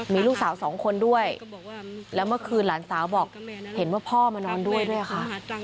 มีลูกสาวสองคนด้วยแล้วเมื่อคืนหลานสาวบอกเห็นว่าพ่อมานอนด้วยด้วยค่ะ